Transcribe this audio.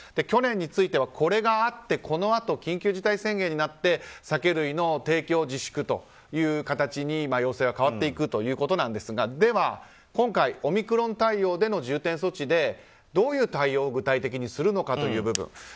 去年については、これがあってこのあと緊急事態宣言になって酒類の提供自粛という形に要請は変わっていくということですがでは、今回オミクロン対応での重点措置でどういう対応を具体的にするのかという部分。